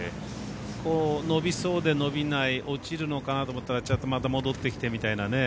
伸びそうで伸びない落ちるのかなと思ったらちゃんとまた戻ってきてみたいなね。